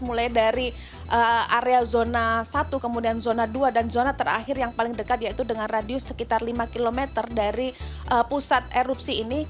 mulai dari area zona satu kemudian zona dua dan zona terakhir yang paling dekat yaitu dengan radius sekitar lima km dari pusat erupsi ini